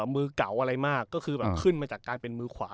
มือเก่าอะไรมากก็คือแบบขึ้นมาจากการเป็นมือขวา